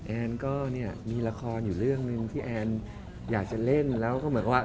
แอนก็เนี่ยมีละครอยู่เรื่องหนึ่งที่แอนอยากจะเล่นแล้วก็เหมือนกับว่า